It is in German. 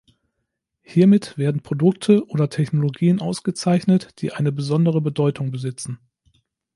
Hiermit werden Produkte oder Technologien ausgezeichnet, die eine besondere Bedeutung besitzen.